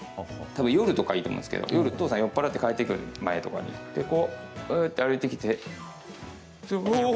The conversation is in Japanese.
たぶん夜とかいいと思うんすけど夜にお父さんが酔っ払って帰ってくる前とかにおおって歩いてきておおおお！